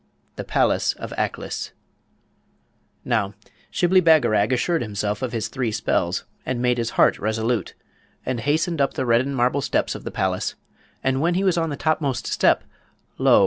THE PALACE OF AKLIS Now, Shibli Bagarag assured himself of his three spells, and made his heart resolute, and hastened up the reddened marble steps of the Palace; and when he was on the topmost step, lo!